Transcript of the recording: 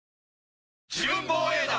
自分防衛団！